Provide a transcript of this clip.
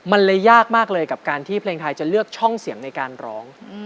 มันเลยยากมากเลยกับการที่เพลงไทยจะเลือกช่องเสียงในการร้อง